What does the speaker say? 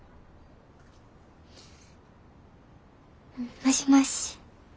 もしもし。